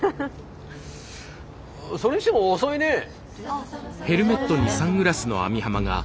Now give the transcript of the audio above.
それにしても遅いね。ですね。